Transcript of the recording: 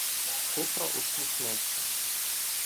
Хитро усміхнувся: